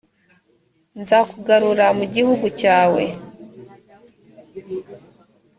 nzakugarura mu gihugu cyawe